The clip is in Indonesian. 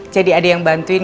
jadi ada yang bantuin